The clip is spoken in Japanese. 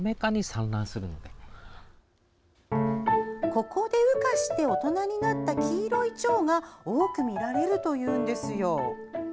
ここで羽化して大人になった黄色いチョウが多く見られるというんですよ。